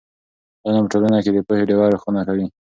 علم په ټولنه کې د پوهې ډېوه روښانه کوي.